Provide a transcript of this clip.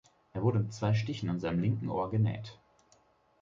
Er wurde mit zwei Stichen an seinem linken Ohr genäht.